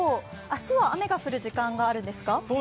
明日は雨が降る時間があるんですか？